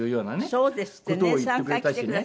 そうですってね。